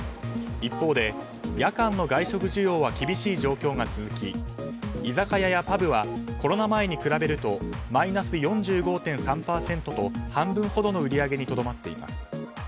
一方で、夜間の外食需要は厳しい状況が続き居酒屋やパブはコロナ前に比べるとマイナス４５．３％と半分ほどの売り上げにとどまっています。